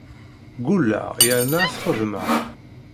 Ggulleɣ yerna ad t-xedmeɣ.